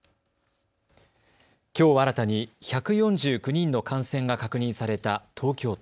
きょう新たに１４９人の感染が確認された東京都。